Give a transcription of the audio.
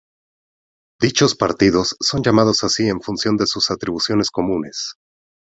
Dichos "partidos" son llamados así en función de sus atribuciones comunes.